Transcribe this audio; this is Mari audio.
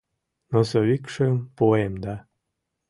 Носовикшым пуэм да